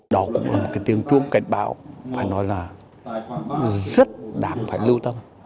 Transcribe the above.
đó cũng là một tiếng trung cảnh báo phải nói là rất đáng phải lưu tâm